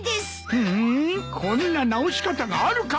うこんな直し方があるか！